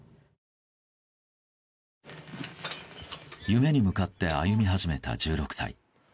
夢に向かって歩み始めた１６歳。